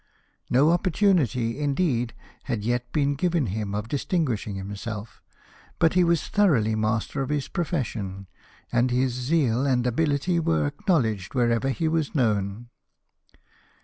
No opportunity, indeed, had yet been given him of dis tinguishing himself ; but he was thoroughly master of his profession, and his zeal and ability were ac knowledged wherever he was known.